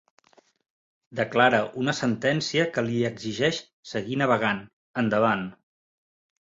Declara una sentència que li exigeix seguir navegant, endavant.